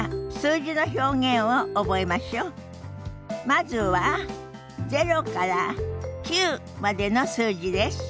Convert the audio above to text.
まずは０から９までの数字です。